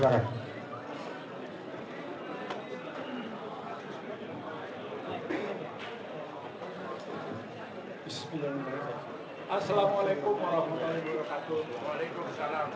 yang kita cintai kita banggakan